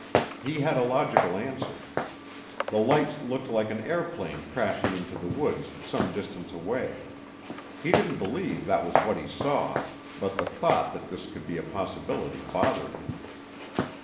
He had a logical answer. The lights looked like an airplane crashing into the woods some distance away. He didn't believe that was what he saw, but the thought that this could be a possibility bothered him.